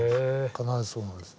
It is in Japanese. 必ずそうなんですね。